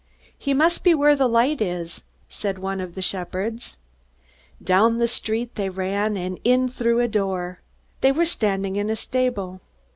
"He must be where the light is," said one of the shepherds. Down the street they ran, and in through a door. They were standing in a stable.